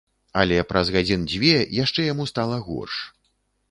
Але праз гадзін дзве яшчэ яму стала горш.